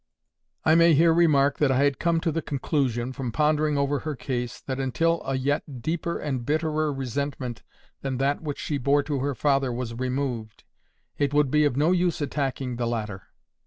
I may here remark that I had come to the conclusion, from pondering over her case, that until a yet deeper and bitterer resentment than that which she bore to her father was removed, it would be of no use attacking the latter.